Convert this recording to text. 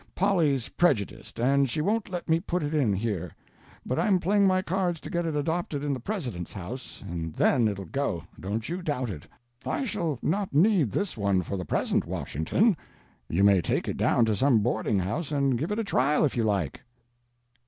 Polly's prejudiced, and she won't let me put it in here; but I'm playing my cards to get it adopted in the President's house, and then it'll go—don't you doubt it. I shall not need this one for the present, Washington; you may take it down to some boarding house and give it a trial if you like."